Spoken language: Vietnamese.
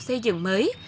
xây dựng mới